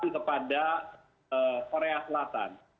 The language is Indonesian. kepada korea selatan